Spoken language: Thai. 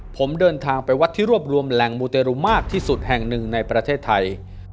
ผมเดินทางไปวัดที่รวบรวมแหล่งมูเตรุมากที่สุดแห่งหนึ่งในประเทศไทย